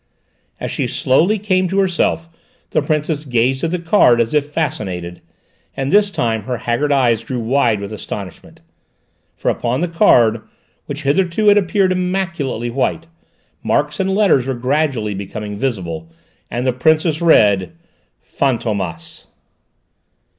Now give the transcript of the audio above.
As she slowly came to herself the Princess gazed at the card as if fascinated, and this time her haggard eyes grew wide with astonishment. For upon the card, which hitherto had appeared immaculately white, marks and letters were gradually becoming visible, and the Princess read: "Fan tô mas!"